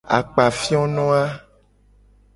Akpafiono a.